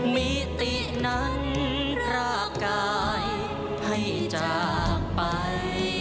มีตินั้นพรากกายให้จากไป